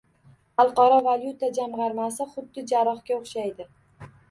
Xalqaro valyuta jamg'armasi xuddi jarrohga o'xshaydi